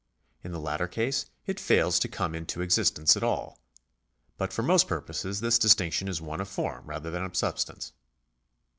In the latter case it fails to come into existence at all. But for most purposes this distinction is one of form rather than of substance.